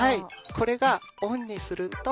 これがオンにすると。